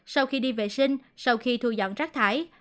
sau khi đi vệ sinh sau khi thu dọn rác thải